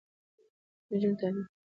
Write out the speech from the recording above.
د نجونو تعلیم د جرمونو کچه راټیټوي.